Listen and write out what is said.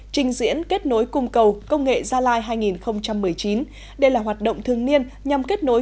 trình diễn kết nối cung cầu công nghệ gia lai hai nghìn một mươi chín đây là hoạt động thương niên nhằm kết nối